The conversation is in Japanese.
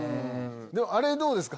あれどうですか？